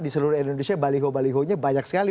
di seluruh indonesia baliho balihonya banyak sekali